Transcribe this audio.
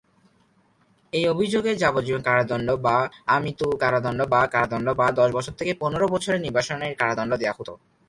এই অভিযোগে যাবজ্জীবন কারাদণ্ড বা আমৃত্যু কারাদণ্ড বা কারাদণ্ড বা দশ বছর থেকে পনের বছরের নির্বাসনের কারাদণ্ড দেয়া হতো।